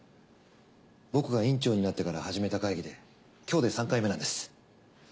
僕が院長になってから始めた会議で今日で３回目なんです。